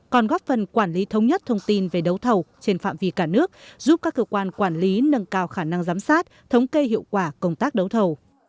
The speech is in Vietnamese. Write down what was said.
còn góp phần quản lý thống nhất thông tin về đấu thầu trên phạm vi cả nước giúp các cơ quan quản lý nâng cao khả năng giám sát thống kê hiệu quả công tác đấu thầu